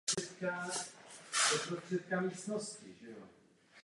Spolu založili deníky Daily Mail a Daily Mirror.